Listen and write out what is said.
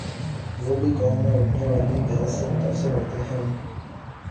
وہ بھی قوم میں اٹھنے والی بحث سے متاثر ہوتے ہیں۔